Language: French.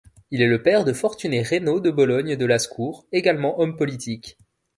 Il est le père de Fortuné Reynaud de Bologne de Lascours, également homme politique.